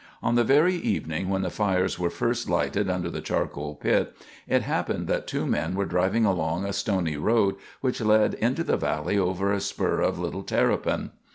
On the very evening when the fires were first lighted under the charcoal pit, it happened that two men were driving along a stony road which led into the valley over a spur of Little Terrapin.